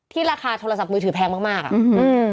ที่ราคาโทรศัพท์มือถือแพงมากอ่ะ